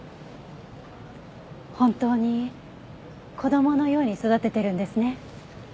本当に子供のように育ててるんですね。